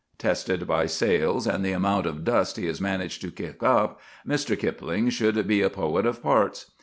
Tested by sales and the amount of dust he has managed to kick up, Mr. Kipling should be a poet of parts.